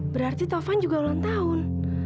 berarti taufan juga ulang tahun